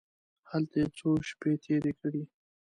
هلته یې څو شپې تېرې کړې.